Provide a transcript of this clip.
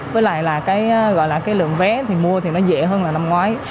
với lại là cái gọi là cái lượng vé thì mua thì nó dễ hơn là năm ngoái